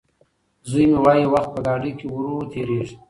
زوی مې وايي وخت په ګاډي کې ورو تېرېږي.